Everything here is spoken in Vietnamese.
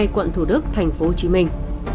quận thủ đức thành phố hồ chí minh